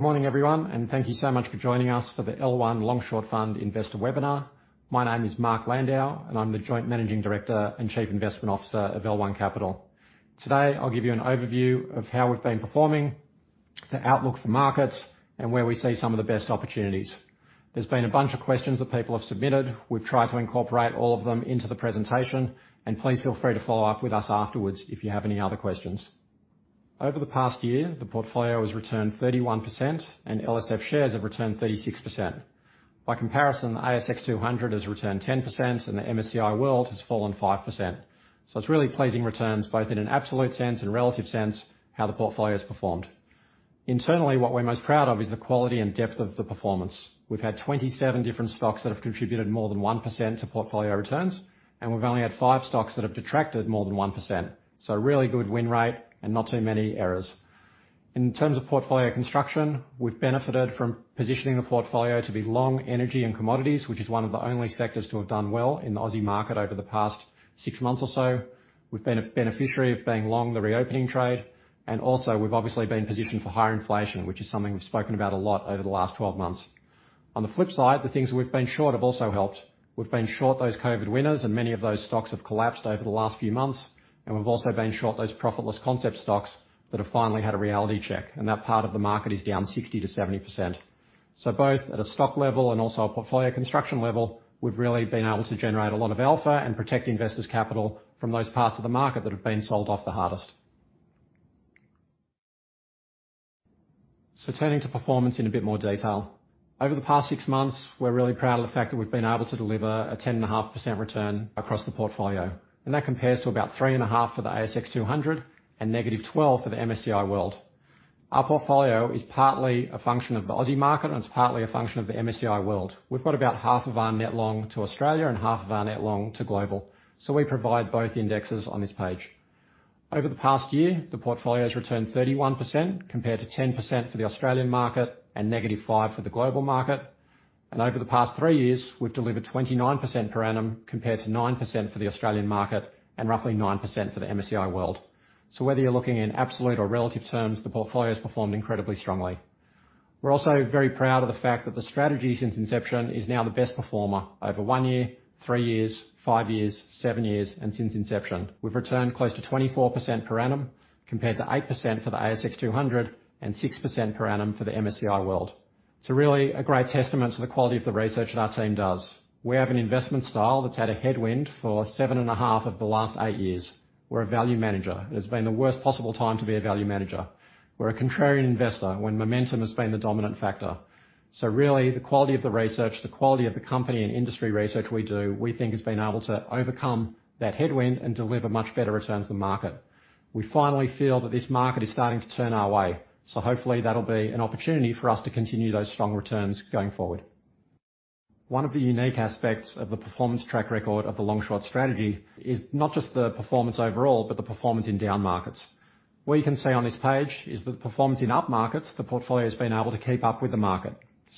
Morning everyone, and thank you so much for joining us for the L1 Long Short Fund Investor Webinar. My name is Mark Landau, and I'm the Joint Managing Director and Chief Investment Officer of L1 Capital. Today, I'll give you an overview of how we've been performing, the outlook for markets, and where we see some of the best opportunities. There's been a bunch of questions that people have submitted. We've tried to incorporate all of them into the presentation, and please feel free to follow up with us afterwards if you have any other questions. Over the past year, the portfolio has returned 31% and LSF shares have returned 36%. By comparison, the ASX 200 has returned 10% and the MSCI World has fallen 5%. It's really pleasing returns, both in an absolute sense and relative sense, how the portfolio has performed. Internally, what we're most proud of is the quality and depth of the performance. We've had 27 different stocks that have contributed more than 1% to portfolio returns, and we've only had five stocks that have detracted more than 1%. Really good win rate and not too many errors. In terms of portfolio construction, we've benefited from positioning the portfolio to be long energy and commodities, which is one of the only sectors to have done well in the Aussie market over the past six months or so. We've been a beneficiary of being long the reopening trade, and also we've obviously been positioned for higher inflation, which is something we've spoken about a lot over the last 12 months. On the flip side, the things we've been short have also helped. We've been short those COVID winners, and many of those stocks have collapsed over the last few months. We've also been short those profitless concept stocks that have finally had a reality check, and that part of the market is down 60%-70%. Both at a stock level and also a portfolio construction level, we've really been able to generate a lot of alpha and protect investors' capital from those parts of the market that have been sold off the hardest. Turning to performance in a bit more detail. Over the past six months, we're really proud of the fact that we've been able to deliver a 10.5% return across the portfolio. That compares to about 3.5% for the ASX 200 and -12% for the MSCI World. Our portfolio is partly a function of the Aussie market, and it's partly a function of the MSCI World. We've got about half of our net long to Australia and half of our net long to global. We provide both indexes on this page. Over the past year, the portfolio has returned 31% compared to 10% for the Australian market and -5% for the global market. Over the past three years, we've delivered 29% per annum compared to 9% for the Australian market and roughly 9% for the MSCI World. Whether you're looking in absolute or relative terms, the portfolio has performed incredibly strongly. We're also very proud of the fact that the strategy since inception is now the best performer over one year, three years, five years, seven years, and since inception. We've returned close to 24% per annum compared to 8% for the ASX 200 and 6% per annum for the MSCI World. It's really a great testament to the quality of the research that our team does. We have an investment style that's had a headwind for 7.5 of the last eight years. We're a value manager. It has been the worst possible time to be a value manager. We're a contrarian investor when momentum has been the dominant factor. Really, the quality of the research, the quality of the company and industry research we do, we think has been able to overcome that headwind and deliver much better returns to the market. We finally feel that this market is starting to turn our way, so hopefully that'll be an opportunity for us to continue those strong returns going forward. One of the unique aspects of the performance track record of the long short strategy is not just the performance overall, but the performance in down markets. What you can see on this page is the performance in up markets. The portfolio's been able to keep up with the market.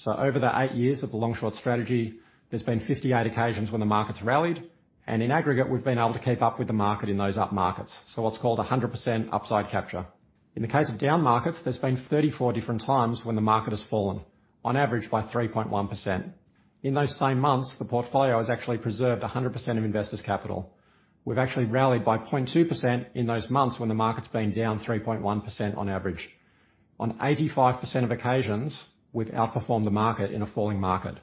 Over the eight years of the long short strategy, there's been 58 occasions when the market's rallied, and in aggregate, we've been able to keep up with the market in those up markets. What's called a 100% upside capture. In the case of down markets, there's been 34 different times when the market has fallen, on average by 3.1%. In those same months, the portfolio has actually preserved a 100% of investors' capital. We've actually rallied by 0.2% in those months when the market's been down 3.1% on average. On 85% of occasions, we've outperformed the market in a falling market.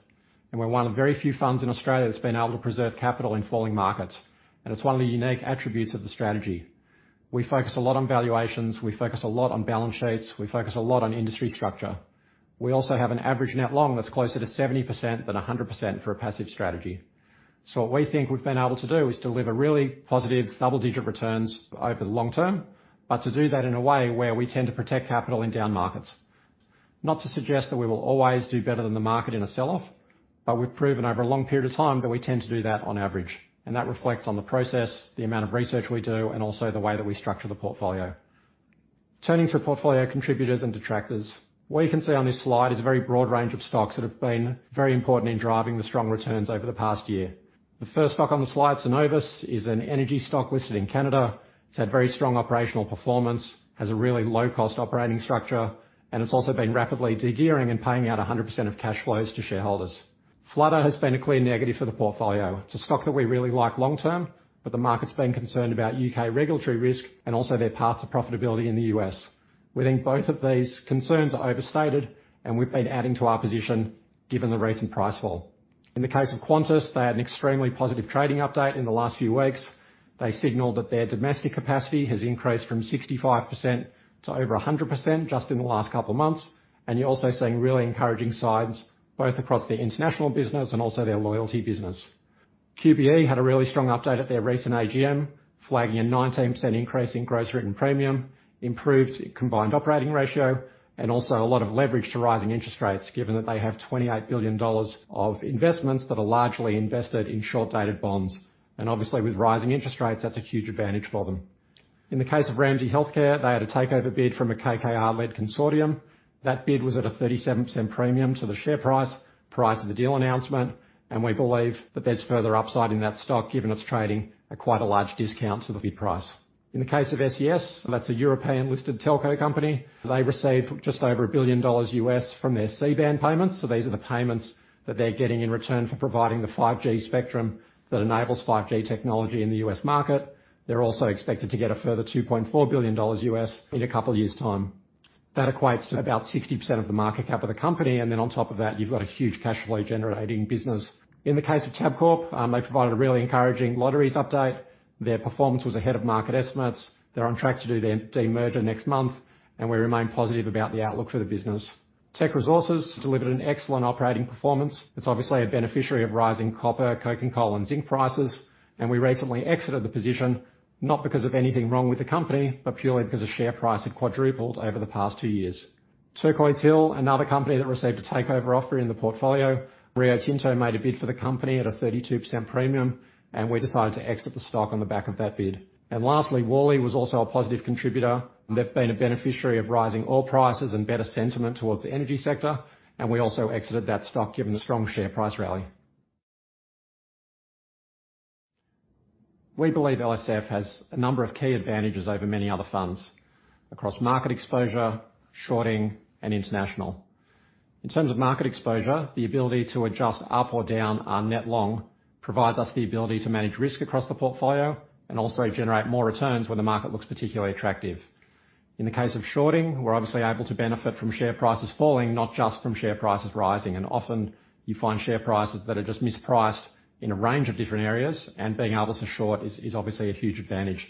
We're one of the very few funds in Australia that's been able to preserve capital in falling markets, and it's one of the unique attributes of the strategy. We focus a lot on valuations. We focus a lot on balance sheets. We focus a lot on industry structure. We also have an average net long that's closer to 70% than 100% for a passive strategy. What we think we've been able to do is deliver really positive double-digit returns over the long term, but to do that in a way where we tend to protect capital in down markets. Not to suggest that we will always do better than the market in a sell-off, but we've proven over a long period of time that we tend to do that on average, and that reflects on the process, the amount of research we do, and also the way that we structure the portfolio. Turning to portfolio contributors and detractors. What you can see on this slide is a very broad range of stocks that have been very important in driving the strong returns over the past year. The first stock on the slide, Cenovus, is an energy stock listed in Canada. It's had very strong operational performance, has a really low cost operating structure, and it's also been rapidly de-gearing and paying out 100% of cash flows to shareholders. Flutter has been a clear negative for the portfolio. It's a stock that we really like long term, but the market's been concerned about U.K. regulatory risk and also their path to profitability in the U.S. We think both of these concerns are overstated and we've been adding to our position given the recent price fall. In the case of Qantas, they had an extremely positive trading update in the last few weeks. They signaled that their domestic capacity has increased from 65% to over 100% just in the last couple of months. You're also seeing really encouraging signs both across the international business and also their loyalty business. QBE had a really strong update at their recent AGM, flagging a 19% increase in gross written premium, improved combined operating ratio, and also a lot of leverage to rising interest rates, given that they have 28 billion dollars of investments that are largely invested in short-dated bonds. Obviously with rising interest rates, that's a huge advantage for them. In the case of Ramsay Health Care, they had a takeover bid from a KKR-led consortium. That bid was at a 37% premium to the share price prior to the deal announcement, and we believe that there's further upside in that stock, given it's trading at quite a large discount to the bid price. In the case of SES, that's a European-listed telco company. They received just over $1 billion from their C-band payments. These are the payments that they're getting in return for providing the 5G spectrum that enables 5G technology in the U.S. market. They're also expected to get a further $2.4 billion in a couple of years time. That equates to about 60% of the market cap of the company, and then on top of that, you've got a huge cash flow-generating business. In the case of Tabcorp, they provided a really encouraging lotteries update. Their performance was ahead of market estimates. They're on track to do their demerger next month, and we remain positive about the outlook for the business. Teck Resources delivered an excellent operating performance. It's obviously a beneficiary of rising copper, coking coal, and zinc prices, and we recently exited the position not because of anything wrong with the company, but purely because the share price had quadrupled over the past two years. Turquoise Hill Resources, another company that received a takeover offer in the portfolio. Rio Tinto made a bid for the company at a 32% premium, and we decided to exit the stock on the back of that bid. Lastly, Woodside Energy was also a positive contributor. They've been a beneficiary of rising oil prices and better sentiment towards the energy sector, and we also exited that stock given the strong share price rally. We believe LSF has a number of key advantages over many other funds across market exposure, shorting, and international. In terms of market exposure, the ability to adjust up or down our net long provides us the ability to manage risk across the portfolio and also generate more returns when the market looks particularly attractive. In the case of shorting, we're obviously able to benefit from share prices falling, not just from share prices rising, and often you find share prices that are just mispriced in a range of different areas, and being able to short is obviously a huge advantage.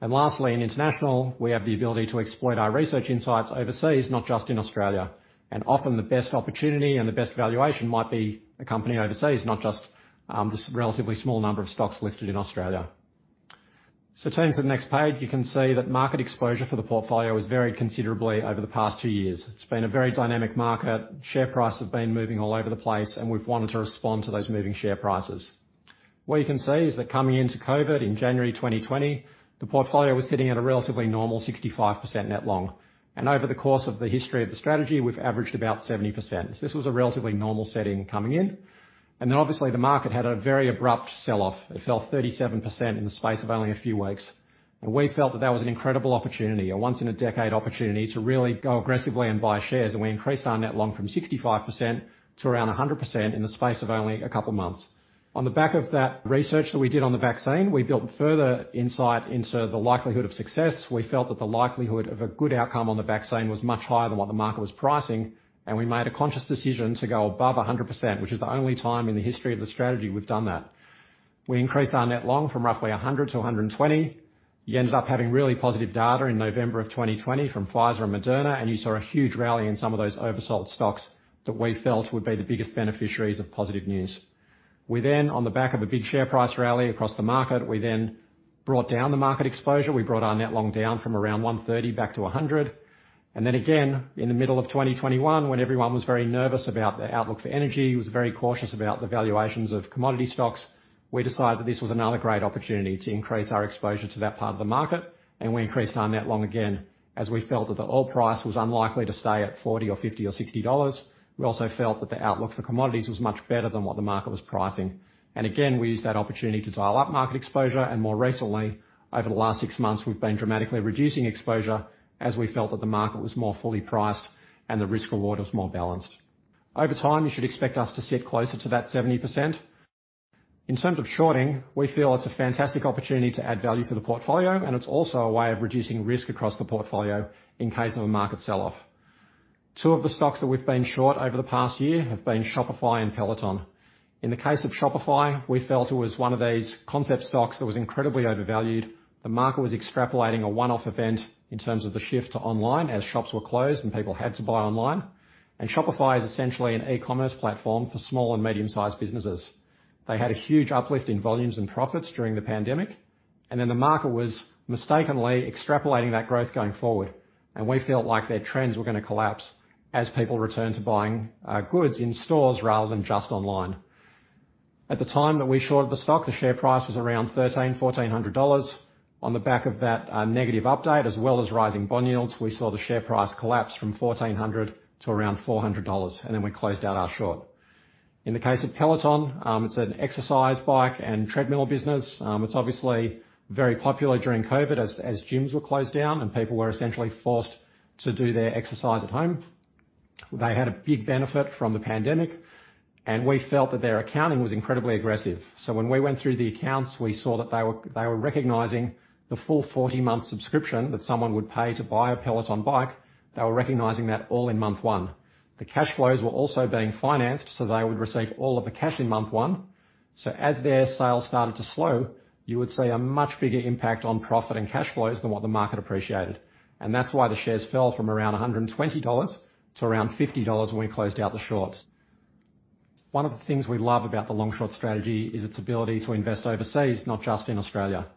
Lastly, in international, we have the ability to exploit our research insights overseas, not just in Australia. Often the best opportunity and the best valuation might be a company overseas, not just this relatively small number of stocks listed in Australia. Turning to the next page, you can see that market exposure for the portfolio has varied considerably over the past two years. It's been a very dynamic market. Share prices have been moving all over the place, and we've wanted to respond to those moving share prices. What you can see is that coming into COVID in January 2020, the portfolio was sitting at a relatively normal 65% net long. Over the course of the history of the strategy, we've averaged about 70%. This was a relatively normal setting coming in. Then obviously the market had a very abrupt sell-off. It fell 37% in the space of only a few weeks. We felt that that was an incredible opportunity, a once-in-a-decade opportunity to really go aggressively and buy shares, and we increased our net long from 65% to around 100% in the space of only a couple of months. On the back of that research that we did on the vaccine, we built further insight into the likelihood of success. We felt that the likelihood of a good outcome on the vaccine was much higher than what the market was pricing, and we made a conscious decision to go above 100%, which is the only time in the history of the strategy we've done that. We increased our net long from roughly 100% to 120%. You ended up having really positive data in November 2020 from Pfizer and Moderna, and you saw a huge rally in some of those oversold stocks that we felt would be the biggest beneficiaries of positive news. We then, on the back of a big share price rally across the market, we then brought down the market exposure. We brought our net long down from around 130% back to 100%. Then again, in the middle of 2021, when everyone was very nervous about the outlook for energy, was very cautious about the valuations of commodity stocks, we decided that this was another great opportunity to increase our exposure to that part of the market, and we increased our net long again, as we felt that the oil price was unlikely to stay at $40 or $50 or $60. We also felt that the outlook for commodities was much better than what the market was pricing. Again, we used that opportunity to dial up market exposure. More recently, over the last six months, we've been dramatically reducing exposure as we felt that the market was more fully priced and the risk/reward was more balanced. Over time, you should expect us to sit closer to that 70%. In terms of shorting, we feel it's a fantastic opportunity to add value for the portfolio, and it's also a way of reducing risk across the portfolio in case of a market sell-off. Two of the stocks that we've been short over the past year have been Shopify and Peloton. In the case of Shopify, we felt it was one of these concept stocks that was incredibly overvalued. The market was extrapolating a one-off event in terms of the shift to online as shops were closed and people had to buy online. Shopify is essentially an e-commerce platform for small and medium-sized businesses. They had a huge uplift in volumes and profits during the pandemic, and then the market was mistakenly extrapolating that growth going forward. We felt like their trends were gonna collapse as people returned to buying goods in stores rather than just online. At the time that we shorted the stock, the share price was around $1,300-$1,400. On the back of that negative update, as well as rising bond yields, we saw the share price collapse from $1,400 to around $400, and then we closed out our short. In the case of Peloton, it's an exercise bike and treadmill business. It's obviously very popular during COVID as gyms were closed down and people were essentially forced to do their exercise at home. They had a big benefit from the pandemic, and we felt that their accounting was incredibly aggressive. When we went through the accounts, we saw that they were recognizing the full 40-month subscription that someone would pay to buy a Peloton bike. They were recognizing that all in month one. The cash flows were also being financed, so they would receive all of the cash in month one. As their sales started to slow, you would see a much bigger impact on profit and cash flows than what the market appreciated. And that's why the shares fell from around $120 to around $50 when we closed out the short. One of the things we love about the long-short strategy is its ability to invest overseas, not just in Australia.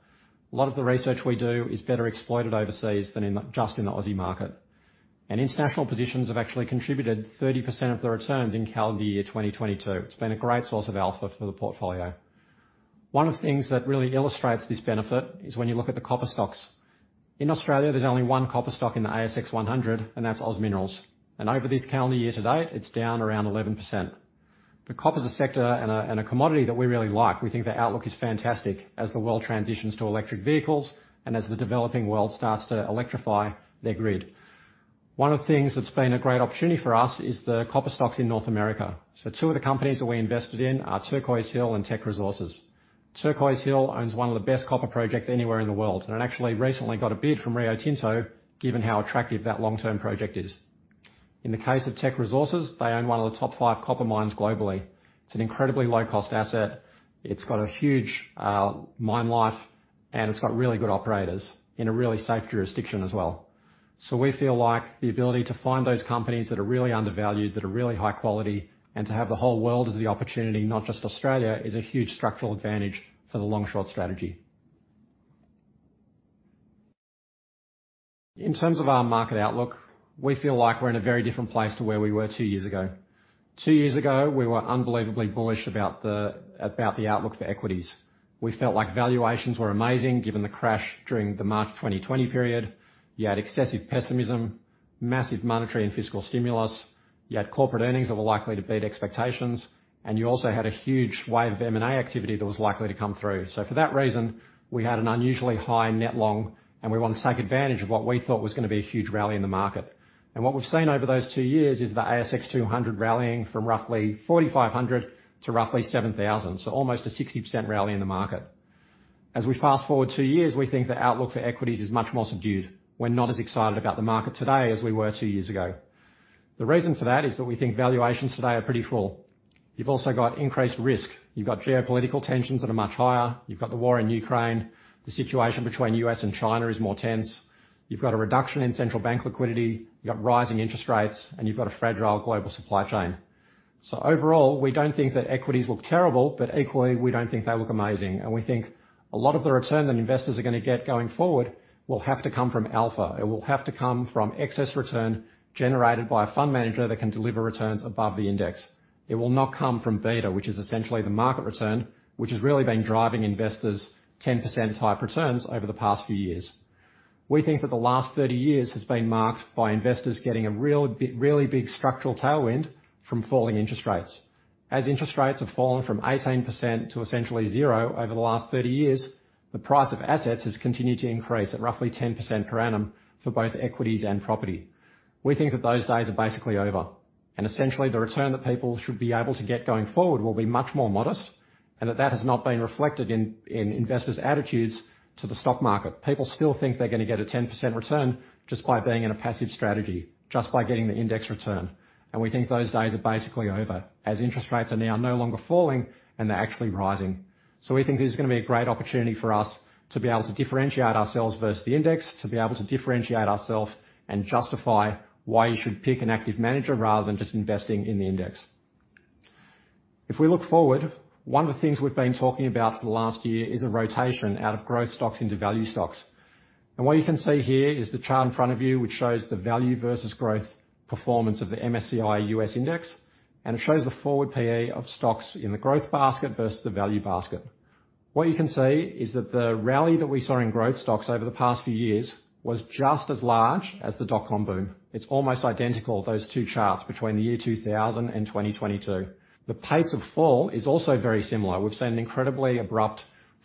A lot of the research we do is better exploited overseas than in the Aussie market. International positions have actually contributed 30% of the returns in calendar year 2022. It's been a great source of alpha for the portfolio. One of the things that really illustrates this benefit is when you look at the copper stocks. In Australia, there's only one copper stock in the ASX 100, and that's OZ Minerals. Over this calendar year today, it's down around 11%. Copper is a sector and a commodity that we really like. We think the outlook is fantastic as the world transitions to electric vehicles and as the developing world starts to electrify their grid. One of the things that's been a great opportunity for us is the copper stocks in North America. Two of the companies that we invested in are Turquoise Hill and Teck Resources. Turquoise Hill Resources owns one of the best copper projects anywhere in the world, and it actually recently got a bid from Rio Tinto, given how attractive that long-term project is. In the case of Teck Resources, they own one of the top five copper mines globally. It's an incredibly low-cost asset. It's got a huge mine life, and it's got really good operators in a really safe jurisdiction as well. We feel like the ability to find those companies that are really undervalued, that are really high quality, and to have the whole world as the opportunity, not just Australia, is a huge structural advantage for the long-short strategy. In terms of our market outlook, we feel like we're in a very different place to where we were two years ago. Two years ago, we were unbelievably bullish about the outlook for equities. We felt like valuations were amazing, given the crash during the March 2020 period. You had excessive pessimism, massive monetary and fiscal stimulus. You had corporate earnings that were likely to beat expectations, and you also had a huge wave of M&A activity that was likely to come through. For that reason, we had an unusually high net long, and we wanted to take advantage of what we thought was gonna be a huge rally in the market. What we've seen over those two years is the ASX 200 rallying from roughly 4,500 to roughly 7,000. Almost a 60% rally in the market. As we fast-forward two years, we think the outlook for equities is much more subdued. We're not as excited about the market today as we were two years ago. The reason for that is that we think valuations today are pretty full. You've also got increased risk. You've got geopolitical tensions that are much higher. You've got the war in Ukraine. The situation between U.S. and China is more tense. You've got a reduction in central bank liquidity. You've got rising interest rates, and you've got a fragile global supply chain. Overall, we don't think that equities look terrible, but equally, we don't think they look amazing. We think a lot of the return that investors are gonna get going forward will have to come from alpha. It will have to come from excess return generated by a fund manager that can deliver returns above the index. It will not come from beta, which is essentially the market return, which has really been driving investors 10% type returns over the past few years. We think that the last 30 years has been marked by investors getting a real big, really big structural tailwind from falling interest rates. As interest rates have fallen from 18% to essentially zero over the last 30 years, the price of assets has continued to increase at roughly 10% per annum for both equities and property. We think that those days are basically over, and essentially, the return that people should be able to get going forward will be much more modest, and that that has not been reflected in investors' attitudes to the stock market. People still think they're gonna get a 10% return just by being in a passive strategy, just by getting the index return. We think those days are basically over, as interest rates are now no longer falling and they're actually rising. We think this is gonna be a great opportunity for us to be able to differentiate ourselves versus the index, to be able to differentiate ourself and justify why you should pick an active manager rather than just investing in the index. If we look forward, one of the things we've been talking about for the last year is a rotation out of growth stocks into value stocks. What you can see here is the chart in front of you, which shows the value versus growth performance of the MSCI USA Index, and it shows the forward P/E of stocks in the growth basket versus the value basket. What you can see is that the rally that we saw in growth stocks over the past few years was just as large as the dot-com boom. It's almost identical, those two charts between the year 2000 and 2022. The pace of fall is also very similar. We've seen an incredibly abrupt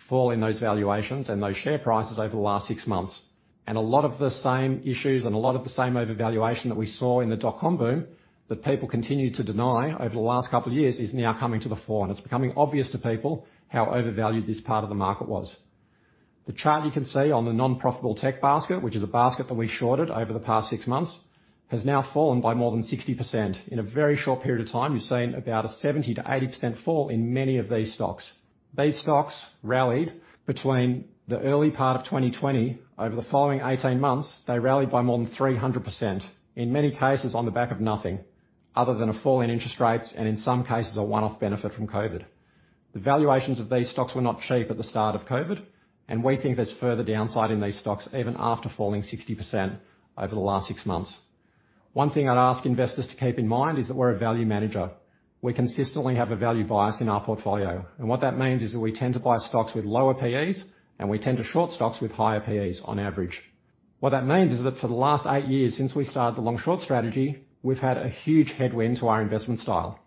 fall in those valuations and those share prices over the last 6 months. A lot of the same issues and a lot of the same overvaluation that we saw in the dot-com boom that people continued to deny over the last couple of years is now coming to the fore, and it's becoming obvious to people how overvalued this part of the market was. The chart you can see on the non-profitable tech basket, which is a basket that we shorted over the past six months, has now fallen by more than 60%. In a very short period of time, you've seen about a 70%-80% fall in many of these stocks. These stocks rallied between the early part of 2020. Over the following 18 months, they rallied by more than 300%, in many cases on the back of nothing other than a fall in interest rates and in some cases, a one-off benefit from COVID. The valuations of these stocks were not cheap at the start of COVID, and we think there's further downside in these stocks even after falling 60% over the last six months. One thing I'd ask investors to keep in mind is that we're a value manager. We consistently have a value bias in our portfolio, and what that means is that we tend to buy stocks with lower P/Es and we tend to short stocks with higher P/Es on average. What that means is that for the last eight years, since we started the long-short strategy, we've had a huge headwind to our investment style.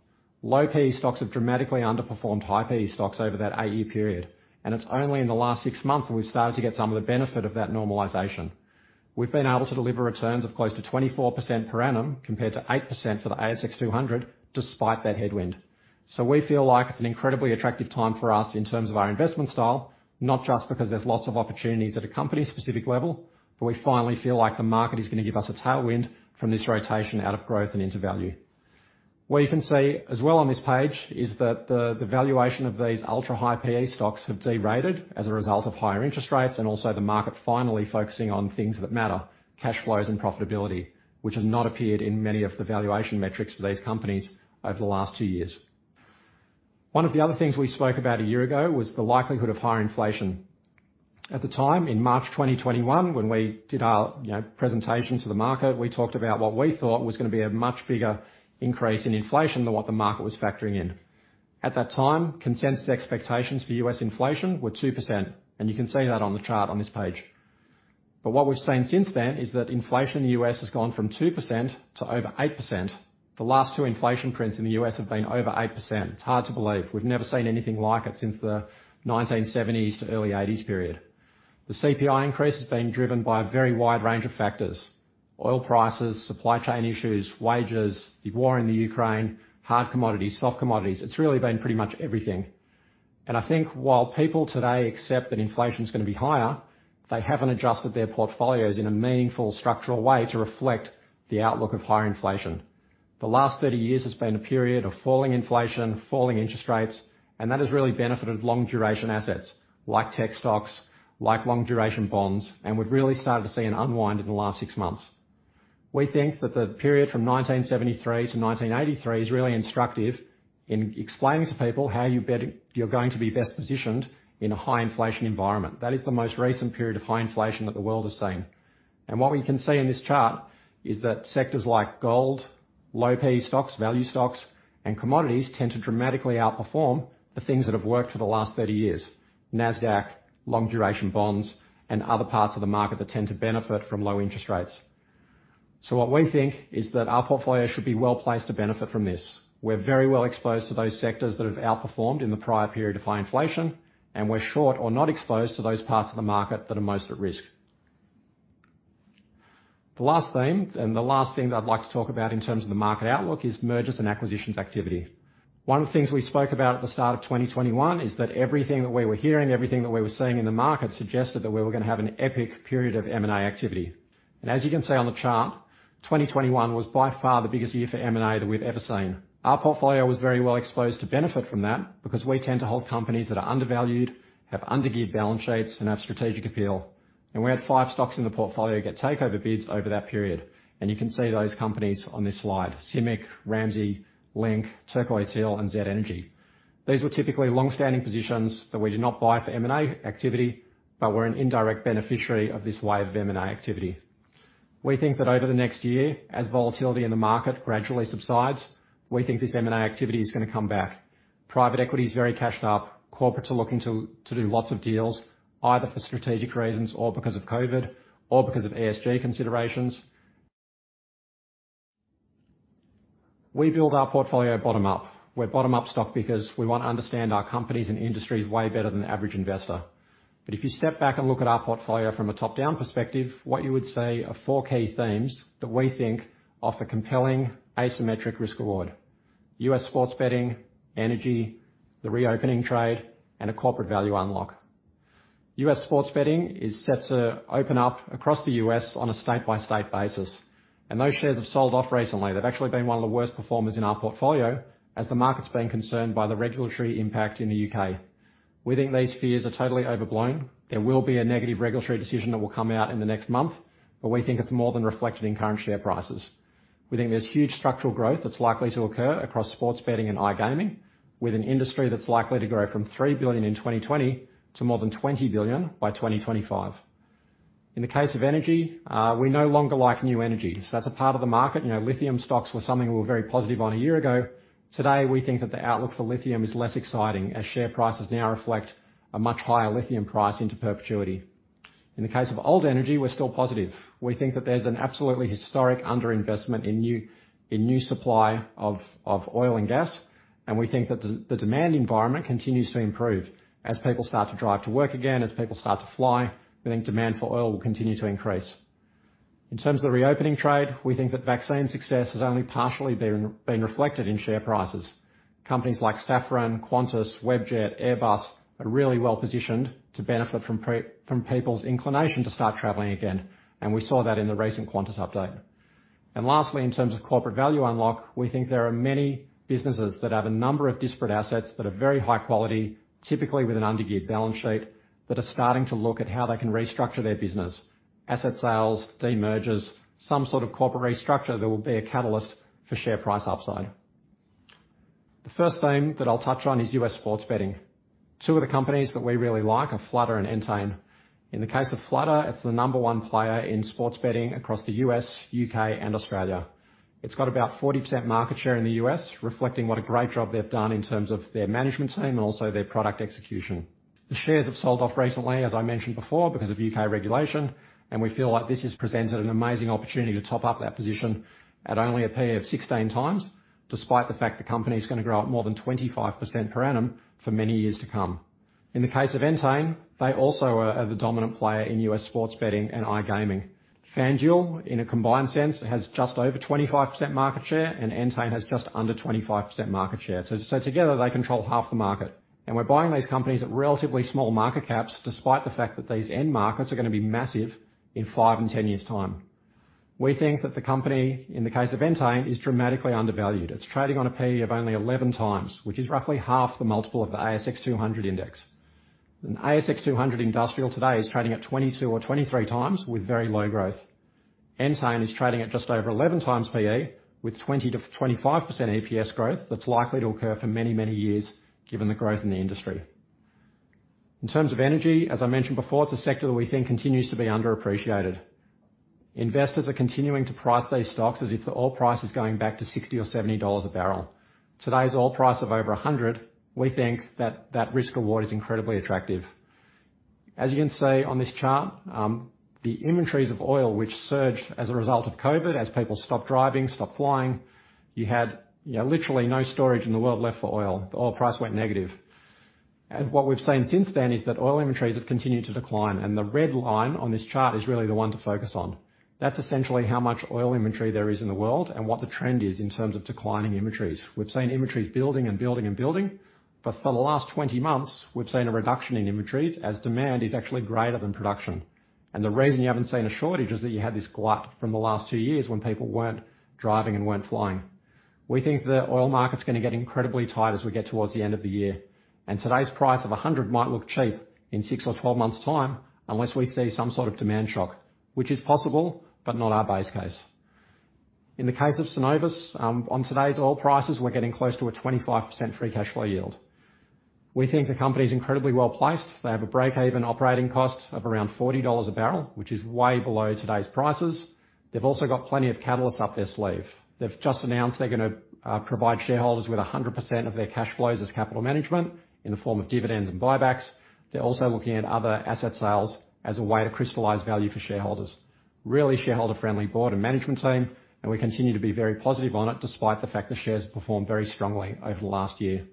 Low PE stocks have dramatically underperformed high PE stocks over that eight-year period, and it's only in the last 6 months that we've started to get some of the benefit of that normalization. We've been able to deliver returns of close to 24% per annum compared to 8% for the ASX 200, despite that headwind. We feel like it's an incredibly attractive time for us in terms of our investment style, not just because there's lots of opportunities at a company-specific level, but we finally feel like the market is gonna give us a tailwind from this rotation out of growth and into value. What you can see as well on this page is that the valuation of these ultra-high P/E stocks have derated as a result of higher interest rates and also the market finally focusing on things that matter, cash flows and profitability, which has not appeared in many of the valuation metrics for these companies over the last two years. One of the other things we spoke about a year ago was the likelihood of higher inflation. At the time, in March 2021, when we did our, you know, presentation to the market, we talked about what we thought was gonna be a much bigger increase in inflation than what the market was factoring in. At that time, consensus expectations for U.S. inflation were 2%, and you can see that on the chart on this page. What we've seen since then is that inflation in the U.S. has gone from 2% to over 8%. The last two inflation prints in the U.S. have been over 8%. It's hard to believe. We've never seen anything like it since the 1970s to early 1980s period. The CPI increase has been driven by a very wide range of factors, oil prices, supply chain issues, wages, the war in Ukraine, hard commodities, soft commodities. It's really been pretty much everything. I think while people today accept that inflation is gonna be higher, they haven't adjusted their portfolios in a meaningful structural way to reflect the outlook of higher inflation. The last 30 years has been a period of falling inflation, falling interest rates, and that has really benefited long-duration assets like tech stocks, like long-duration bonds, and we've really started to see an unwind in the last six months. We think that the period from 1973 to 1983 is really instructive in explaining to people how you're going to be best positioned in a high inflation environment. That is the most recent period of high inflation that the world has seen. What we can see in this chart is that sectors like gold, low P/E stocks, value stocks, and commodities tend to dramatically outperform the things that have worked for the last 30 years, Nasdaq, long-duration bonds, and other parts of the market that tend to benefit from low interest rates. What we think is that our portfolio should be well-placed to benefit from this. We're very well exposed to those sectors that have outperformed in the prior period of high inflation, and we're short or not exposed to those parts of the market that are most at risk. The last theme and the last thing that I'd like to talk about in terms of the market outlook is mergers and acquisitions activity. One of the things we spoke about at the start of 2021 is that everything that we were hearing, everything that we were seeing in the market suggested that we were gonna have an epic period of M&A activity. As you can see on the chart, 2021 was by far the biggest year for M&A that we've ever seen. Our portfolio was very well exposed to benefit from that because we tend to hold companies that are undervalued, have undergeared balance sheets, and have strategic appeal. We had five stocks in the portfolio get takeover bids over that period. You can see those companies on this slide, CIMIC, Ramsay, Link, Turquoise Hill, and Z Energy. These were typically long-standing positions that we did not buy for M&A activity, but we're an indirect beneficiary of this wave of M&A activity. We think that over the next year, as volatility in the market gradually subsides, we think this M&A activity is gonna come back. Private equity is very cashed up. Corporates are looking to do lots of deals, either for strategic reasons or because of COVID or because of ESG considerations. We build our portfolio bottom up. We're bottom-up stock because we want to understand our companies and industries way better than the average investor. If you step back and look at our portfolio from a top-down perspective, what you would see are four key themes that we think offer compelling asymmetric risk reward, U.S. sports betting, energy, the reopening trade, and a corporate value unlock. U.S. sports betting is set to open up across the U.S. on a state-by-state basis, and those shares have sold off recently. They've actually been one of the worst performers in our portfolio as the market's been concerned by the regulatory impact in the U.K. We think these fears are totally overblown. There will be a negative regulatory decision that will come out in the next month, but we think it's more than reflected in current share prices. We think there's huge structural growth that's likely to occur across sports betting and iGaming with an industry that's likely to grow from 3 billion in 2020 to more than 20 billion by 2025. In the case of energy, we no longer like new energy, so that's a part of the market. You know, lithium stocks were something we were very positive on a year ago. Today, we think that the outlook for lithium is less exciting as share prices now reflect a much higher lithium price into perpetuity. In the case of old energy, we're still positive. We think that there's an absolutely historic underinvestment in new supply of oil and gas, and we think that the demand environment continues to improve. As people start to drive to work again, as people start to fly, we think demand for oil will continue to increase. In terms of the reopening trade, we think that vaccine success has only partially been reflected in share prices. Companies like Safran, Qantas, Webjet, Airbus, are really well-positioned to benefit from from people's inclination to start traveling again, and we saw that in the recent Qantas update. Lastly, in terms of corporate value unlock, we think there are many businesses that have a number of disparate assets that are very high quality, typically with an undergeared balance sheet, that are starting to look at how they can restructure their business. Asset sales, demergers, some sort of corporate restructure that will be a catalyst for share price upside. The first theme that I'll touch on is U.S. sports betting. Two of the companies that we really like are Flutter and Entain. In the case of Flutter, it's the number one player in sports betting across the US, UK, and Australia. It's got about 40% market share in the US, reflecting what a great job they've done in terms of their management team and also their product execution. The shares have sold off recently, as I mentioned before, because of UK regulation, and we feel like this has presented an amazing opportunity to top up that position at only a P/E of 16 times, despite the fact the company's gonna grow at more than 25% per annum for many years to come. In the case of Entain, they also are the dominant player in US sports betting and iGaming. FanDuel, in a combined sense, has just over 25% market share, and Entain has just under 25% market share. Together, they control half the market. We're buying these companies at relatively small market caps, despite the fact that these end markets are gonna be massive in five and 10 years' time. We think that the company, in the case of Entain, is dramatically undervalued. It's trading on a P/E of only 11 times, which is roughly half the multiple of the ASX 200 index. ASX 200 industrial today is trading at 22 or 23 times with very low growth. Entain is trading at just over 11 times P/E with 20%-25% EPS growth that's likely to occur for many, many years given the growth in the industry. In terms of energy, as I mentioned before, it's a sector that we think continues to be underappreciated. Investors are continuing to price these stocks as if the oil price is going back to $60 or $70 a barrel. Today's oil price of over $100, we think that that risk/reward is incredibly attractive. As you can see on this chart, the inventories of oil which surged as a result of COVID, as people stopped driving, stopped flying. You had, you know, literally no storage in the world left for oil. The oil price went negative. What we've seen since then is that oil inventories have continued to decline, and the red line on this chart is really the one to focus on. That's essentially how much oil inventory there is in the world, and what the trend is in terms of declining inventories. We've seen inventories building and building and building, but for the last 20 months, we've seen a reduction in inventories as demand is actually greater than production. The reason you haven't seen a shortage is that you had this glut from the last two years when people weren't driving and weren't flying. We think the oil market's gonna get incredibly tight as we get towards the end of the year, and today's price of $100 might look cheap in six or 12 months' time, unless we see some sort of demand shock, which is possible, but not our base case. In the case of Cenovus, on today's oil prices, we're getting close to a 25% free cash flow yield. We think the company is incredibly well-placed. They have a break-even operating cost of around $40 a barrel, which is way below today's prices. They've also got plenty of catalysts up their sleeve. They've just announced they're gonna provide shareholders with 100% of their cash flows as capital management in the form of dividends and buybacks. They're also looking at other asset sales as a way to crystallize value for shareholders. Really shareholder-friendly board and management team, and we continue to be very positive on it, despite the fact the shares have performed very strongly over the last year.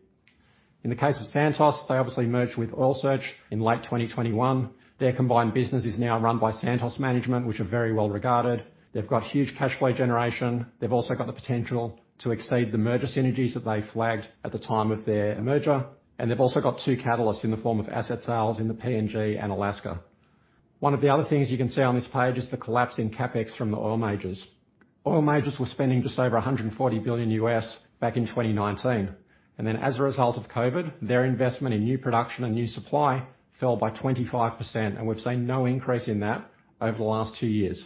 In the case of Santos, they obviously merged with Oil Search in late 2021. Their combined business is now run by Santos management, which are very well-regarded. They've got huge cash flow generation. They've also got the potential to exceed the merger synergies that they flagged at the time of their merger, and they've also got two catalysts in the form of asset sales in the PNG and Alaska. One of the other things you can see on this page is the collapse in CapEx from the oil majors. Oil majors were spending just over $140 billion back in 2019, and then as a result of COVID, their investment in new production and new supply fell by 25%, and we've seen no increase in that over the last two years.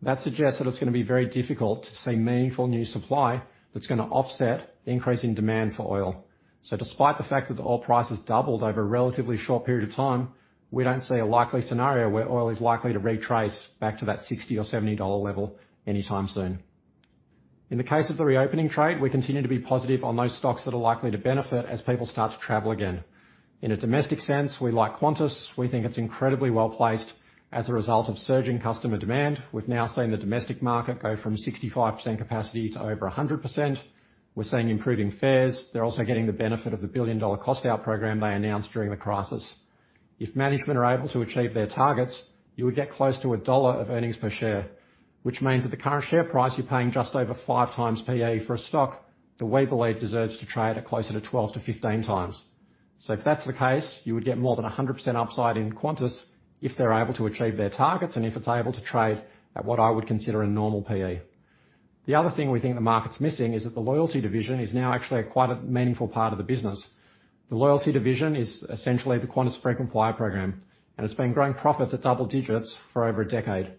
That suggests that it's gonna be very difficult to see meaningful new supply that's gonna offset the increase in demand for oil. Despite the fact that the oil price has doubled over a relatively short period of time, we don't see a likely scenario where oil is likely to retrace back to that $60 or $70 level anytime soon. In the case of the reopening trade, we continue to be positive on those stocks that are likely to benefit as people start to travel again. In a domestic sense, we like Qantas. We think it's incredibly well-placed as a result of surging customer demand. We've now seen the domestic market go from 65% capacity to over 100%. We're seeing improving fares. They're also getting the benefit of the 1 billion-dollar cost out program they announced during the crisis. If management are able to achieve their targets, you would get close to AUD 1 of earnings per share. Which means that the current share price, you're paying just over five times P/E for a stock that we believe deserves to trade at closer to 12-15 times. If that's the case, you would get more than 100% upside in Qantas if they're able to achieve their targets and if it's able to trade at what I would consider a normal P/E. The other thing we think the market's missing is that the loyalty division is now actually quite a meaningful part of the business. The loyalty division is essentially the Qantas frequent flyer program, and it's been growing profits at double digits for over a decade.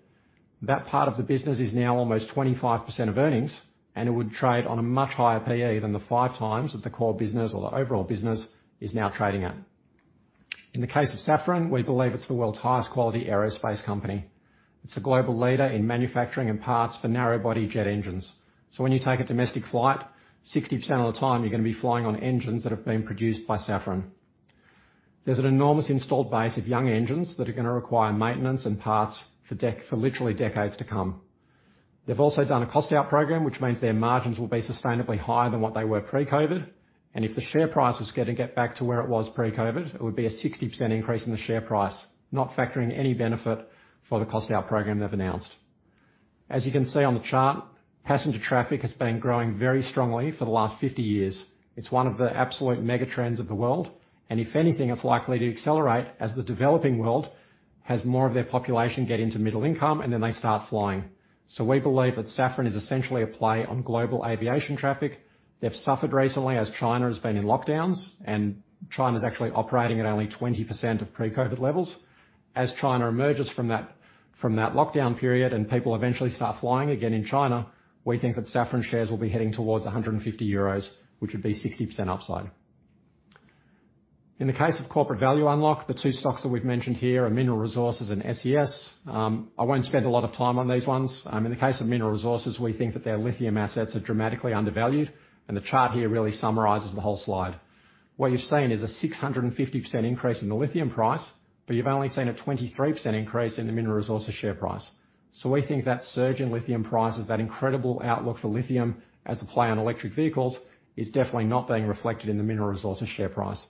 That part of the business is now almost 25% of earnings, and it would trade on a much higher P/E than the 5x that the core business or the overall business is now trading at. In the case of Safran, we believe it's the world's highest quality aerospace company. It's a global leader in manufacturing and parts for narrow body jet engines. When you take a domestic flight, 60% of the time you're gonna be flying on engines that have been produced by Safran. There's an enormous installed base of young engines that are gonna require maintenance and parts for literally decades to come. They've also done a cost out program, which means their margins will be sustainably higher than what they were pre-COVID. If the share price was gonna get back to where it was pre-COVID, it would be a 60% increase in the share price, not factoring any benefit for the cost out program they've announced. As you can see on the chart, passenger traffic has been growing very strongly for the last 50 years. It's one of the absolute mega trends of the world, and if anything, it's likely to accelerate as the developing world has more of their population get into middle income and then they start flying. We believe that Safran is essentially a play on global aviation traffic. They've suffered recently as China has been in lockdowns, and China's actually operating at only 20% of pre-COVID levels. As China emerges from that lockdown period and people eventually start flying again in China, we think that Safran shares will be heading towards 150 euros, which would be 60% upside. In the case of corporate value unlock, the two stocks that we've mentioned here are Mineral Resources and SES. I won't spend a lot of time on these ones. In the case of Mineral Resources, we think that their lithium assets are dramatically undervalued, and the chart here really summarizes the whole slide. What you're seeing is a 650% increase in the lithium price, but you've only seen a 23% increase in the Mineral Resources share price. We think that surge in lithium prices, that incredible outlook for lithium as the play on electric vehicles, is definitely not being reflected in the Mineral Resources share price.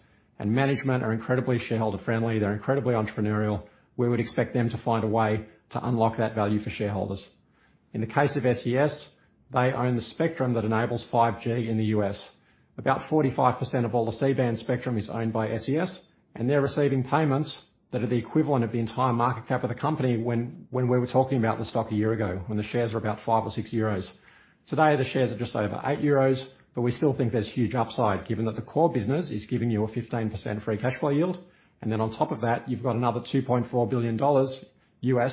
Management are incredibly shareholder-friendly. They're incredibly entrepreneurial. We would expect them to find a way to unlock that value for shareholders. In the case of SES, they own the spectrum that enables 5G in the US. About 45% of all the C-band spectrum is owned by SES, and they're receiving payments that are the equivalent of the entire market cap of the company when we were talking about the stock a year ago, when the shares were about 5 or 6 euros. Today, the shares are just over 8 euros, but we still think there's huge upside given that the core business is giving you a 15% free cash flow yield, and then on top of that, you've got another $2.4 billion,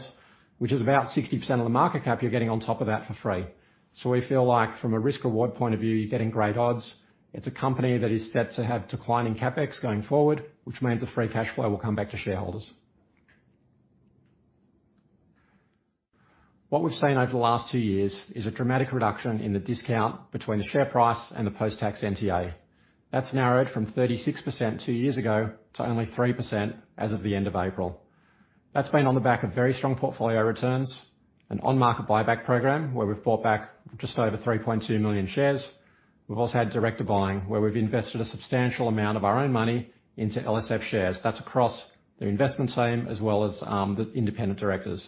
which is about 60% of the market cap you're getting on top of that for free. We feel like from a risk reward point of view, you're getting great odds. It's a company that is set to have declining CapEx going forward, which means the free cash flow will come back to shareholders. What we've seen over the last two years is a dramatic reduction in the discount between the share price and the post-tax NTA. That's narrowed from 36% two years ago to only 3% as of the end of April. That's been on the back of very strong portfolio returns and on-market buyback program, where we've bought back just over 3.2 million shares. We've also had director buying, where we've invested a substantial amount of our own money into LSF shares. That's across the investment team as well as the independent directors.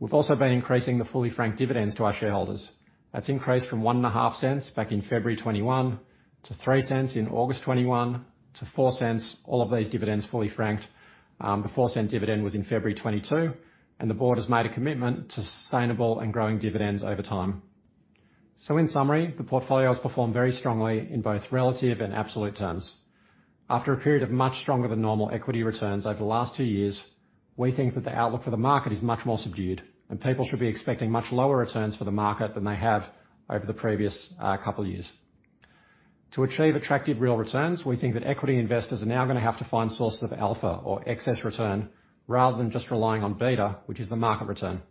We've also been increasing the fully franked dividends to our shareholders. That's increased from 0.015 back in February 2021, to 0.03 in August 2021, to 0.04. All of these dividends fully franked. The 0.04 dividend was in February 2022, and the board has made a commitment to sustainable and growing dividends over time. In summary, the portfolio has performed very strongly in both relative and absolute terms. After a period of much stronger than normal equity returns over the last two years, we think that the outlook for the market is much more subdued, and people should be expecting much lower returns for the market than they have over the previous couple years. To achieve attractive real returns, we think that equity investors are now gonna have to find sources of alpha or excess return rather than just relying on beta, which is the market return.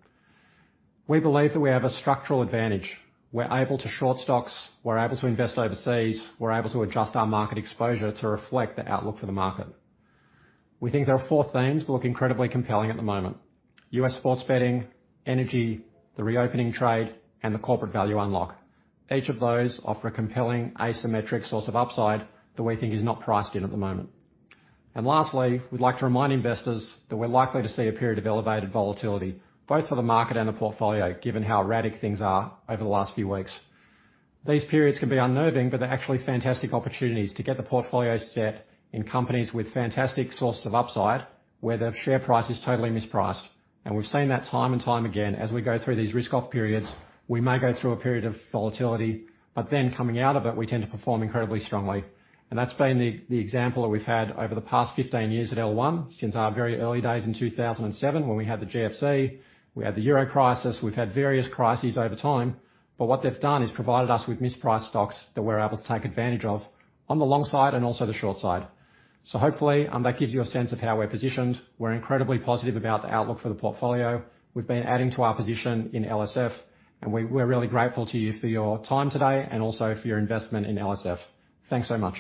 We believe that we have a structural advantage. We're able to short stocks. We're able to invest overseas. We're able to adjust our market exposure to reflect the outlook for the market. We think there are four themes that look incredibly compelling at the moment: US sports betting, energy, the reopening trade, and the corporate value unlock. Each of those offer a compelling asymmetric source of upside that we think is not priced in at the moment. Lastly, we'd like to remind investors that we're likely to see a period of elevated volatility, both for the market and the portfolio, given how erratic things are over the last few weeks. These periods can be unnerving, but they're actually fantastic opportunities to get the portfolio set in companies with fantastic sources of upside where the share price is totally mispriced. We've seen that time and time again. As we go through these risk off periods, we may go through a period of volatility, but then coming out of it, we tend to perform incredibly strongly. That's been the example that we've had over the past 15 years at L1 since our very early days in 2007 when we had the GFC, we had the Euro crisis, we've had various crises over time. What they've done is provided us with mispriced stocks that we're able to take advantage of on the long side and also the short side. Hopefully, that gives you a sense of how we're positioned. We're incredibly positive about the outlook for the portfolio. We've been adding to our position in LSF, and we're really grateful to you for your time today and also for your investment in LSF. Thanks so much.